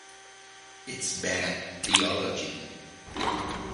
It's bad theology.